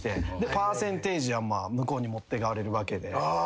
パーセンテージは向こうに持ってかれるわけで。